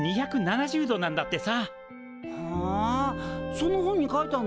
その本に書いてあんの？